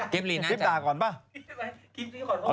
คลิปด่าก่อนบ่า